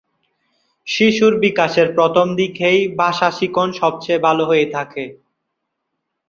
শিশুর বিকাশের প্রথম দিকেই ভাষা শিখন সবচেয়ে ভাল হয়ে থাকে।